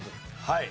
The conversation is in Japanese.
はい。